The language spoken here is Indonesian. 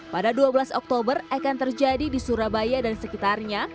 pada dua belas oktober akan terjadi di surabaya dan sekitarnya